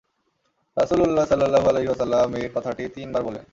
রাসূলুল্লাহ সাল্লাল্লাহু আলাইহি ওয়াসাল্লাম এ কথাটি তিন বার বললেন।